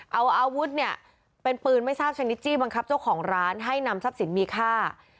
เอาอาวุธเนี่ยเป็นปืนไม่ทราบชนิดจี้บังคับเจ้าของร้านให้นำทรัพย์สินมีค่า